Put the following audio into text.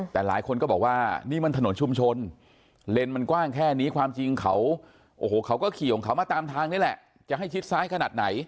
แต่หลายคนก็บอกว่านี่มันถนนชุมชนเลนส์มันกว้างแค่นี้ความจริงเขาโอ้โหเขาก็ขี่ของเขามาตามทางนี่แหละจะให้ชิดซ้ายขนาดไหน